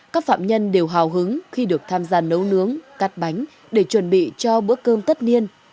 các phạm nhân đều hào hứng khi được tham gia nấu nướng cắt bánh để chuẩn bị cho bữa cơm tất niên